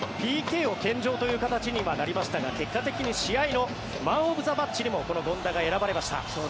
ＰＫを献上という形にはなりましたが結果的には試合のマン・オブ・ザ・マッチにもこの権田は選ばれました。